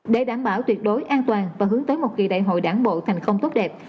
để đảm bảo tuyệt đối an toàn và hướng tới một kỳ đại hội đảng bộ thành công tốt đẹp